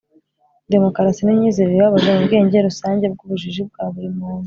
demokarasi ni imyizerere ibabaje mu bwenge rusange bw'ubujiji bwa buri muntu